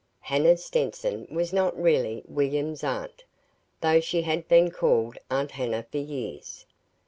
Hannah Stetson was not really William's aunt, though she had been called Aunt Hannah for years.